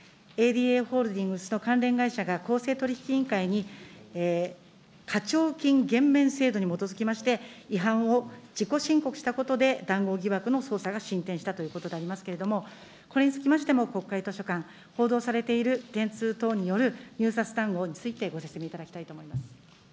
ＡＤＡホールディングスの関連会社が公正取引委員会に、課徴金減免制度に基づきまして、違反を自己申告したことで、談合疑惑の捜査が進展したということでありますけれども、これにつきましても、国会図書館、報道されている電通等による入札談合について、ご説明いただきたいと思います。